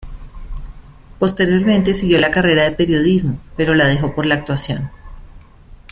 Posteriormente siguió la carrera de periodismo, pero la dejó por la actuación.